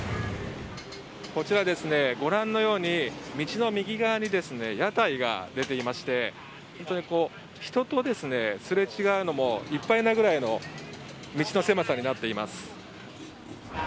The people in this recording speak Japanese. こちら、ご覧のように道の右側に屋台が出ていまして人とすれ違うのもいっぱいなぐらいの道の狭さになっています。